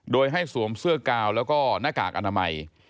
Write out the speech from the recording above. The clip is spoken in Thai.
โดยให้สวมเสื้อกาวแล้วก็หน้ากากอนามัย